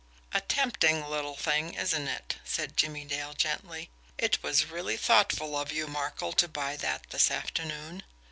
"A tempting little thing, isn't it?" said Jimmie Dale gently. "It was really thoughtful of you, Markel, to buy that this afternoon!"